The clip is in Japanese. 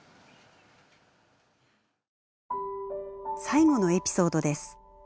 最後のエピソードです。